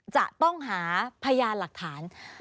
จะต้องหาพยานหลักฐาน